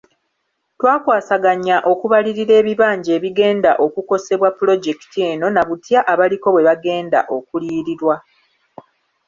Twakwasaganya okubalirira ebibanja ebigenda okukosebwa pulojekiti eno na butya abaliko bwe bagenda okuliyirirwa.